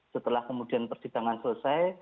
setelah kemudian persidangan selesai